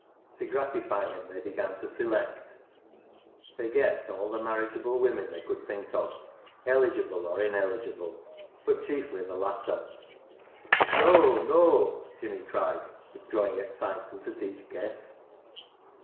To gratify him they began to select. They guessed all the marriageable women they could think of, eligible or ineligible, but chiefly the latter. " Neaw I neaw !" Jimmy cried, with growing excitement at each guess.